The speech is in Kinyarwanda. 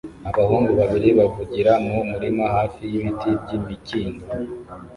Abahungu babiri bavugira mu murima hafi y'ibiti by'imikindo